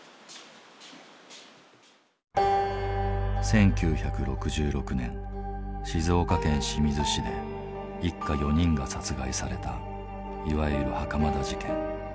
１９６６年静岡県清水市で一家４人が殺害されたいわゆる袴田事件。